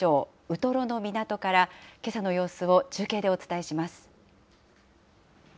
ウトロの港から、けさの様子を中継でお伝えします。